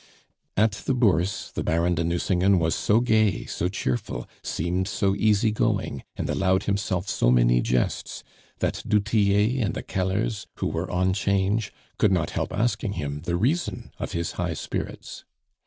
At the Bourse the Baron de Nucingen was so gay, so cheerful, seemed so easy going, and allowed himself so many jests, that du Tillet and the Kellers, who were on 'change, could not help asking him the reason of his high spirits.